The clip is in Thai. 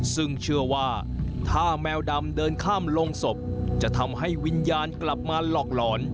ซึ่งเชื่อว่าถ้าแมวดำเดินข้ามลงศพจะทำให้วิญญาณกลับมาหลอกหลอน